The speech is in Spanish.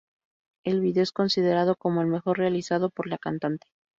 El vídeo es considerado como el mejor realizado por la cantante.